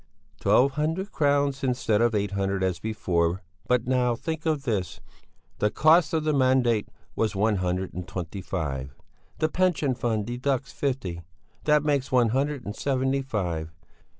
"Twelve hundred crowns instead of eight hundred as before. But now, think of this: the cost of the mandate was one hundred and twenty five; the pension fund deducts fifty; that makes one hundred and seventy five.